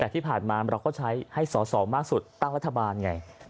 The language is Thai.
แต่ที่ผ่านมาเราก็ใช้ให้สอสอมากสุดตั้งรัฐบาลไง